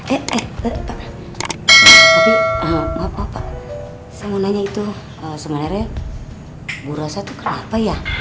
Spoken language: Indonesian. eh eh eh pak tapi maaf maaf pak saya mau nanya itu sebenarnya bu rossa tuh kenapa ya